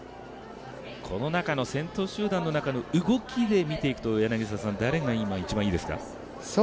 この中の先頭集団の中の動きで見ていくと今、誰が一番いいですか。